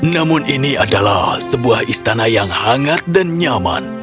namun ini adalah sebuah istana yang hangat dan nyaman